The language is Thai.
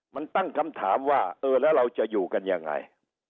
มันตั้งคำถามว่าเออแล้วเราจะอยู่กันยังไง